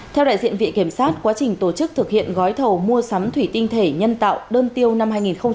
theo đại diện viện kiểm sát quá trình tổ chức thực hiện gói thầu mua sắm thủy tinh thể nhân tạo đơn tiêu năm hai nghìn một mươi tám